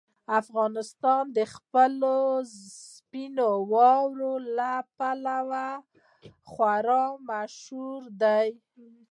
افغانستان د خپلو سپینو واورو لپاره خورا مشهور دی.